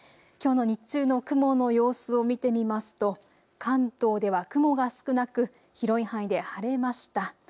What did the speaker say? きょうの日中の雲の様子を見てみますと関東では雲が少なく広い範囲で晴れました。